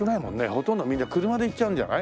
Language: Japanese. ほとんどみんな車で行っちゃうんじゃない？